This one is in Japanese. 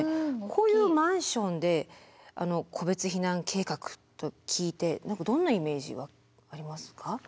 こういうマンションで個別避難計画と聞いて何かどんなイメージありますか？